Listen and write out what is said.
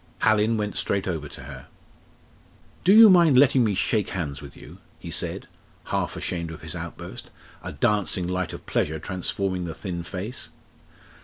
Hallin went straight over to her. "Do you mind letting me shake hands with you?" he said, half ashamed of his outburst, a dancing light of pleasure transforming the thin face.